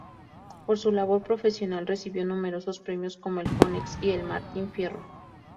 Por su labor profesional recibió numerosos premios como el Konex y el Martín Fierro.